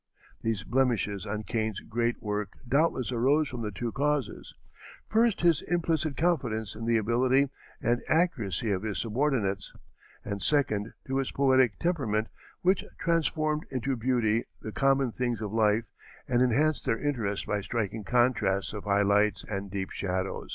These blemishes on Kane's great work doubtless arose from two causes: first, his implicit confidence in the ability and accuracy of his subordinates, and, second, to his poetic temperament, which transformed into beauty the common things of life and enhanced their interest by striking contrasts of high lights and deep shadows.